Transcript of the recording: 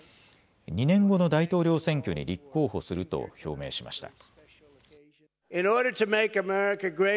２年後の大統領選挙に立候補すると表明しました。